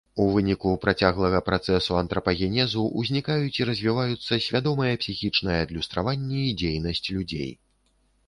У выніку працяглага працэсу антрапагенезу узнікаюць і развіваюцца свядомае псіхічнае адлюстраванне і дзейнасць людзей.